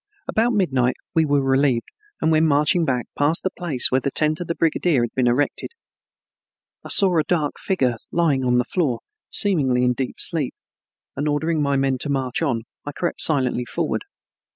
About midnight we were relieved, and when marching back, passed the place where the tent of the brigadier had been erected. I saw a dark figure lying on the floor, seemingly in deep sleep, and ordering my men to march on I crept silently forward.